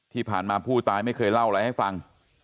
ที่ผ่านมาผู้ตายไม่เคยเล่าอะไรให้ฟัง